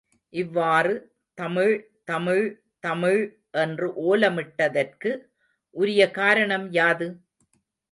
இவ்வாறு தமிழ் தமிழ் தமிழ் என்று ஓலமிட்டதற்கு உரிய காரணம் யாது?